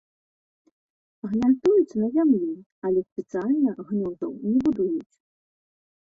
Гняздуюцца на зямлі, але спецыяльна гнёздаў не будуюць.